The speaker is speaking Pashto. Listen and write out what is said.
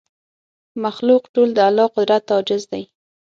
مخلوق ټول د الله قدرت ته عاجز دی